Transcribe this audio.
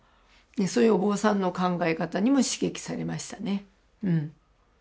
そういうお坊さんの考え方にも刺激されましたねうん。